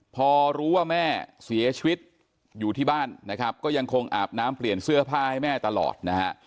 พอรู้ว่าแม่เสียชีวิตอยู่ที่บ้านนะครับก็ยังคงอาบน้ำเปลี่ยนเสื้อผ้าให้แม่ตลอดนะฮะ